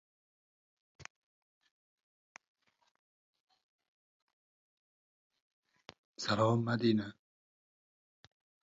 Agar oʻrindan turolmasangiz, bilingki, kechagi kun yaxshi boʻlgan.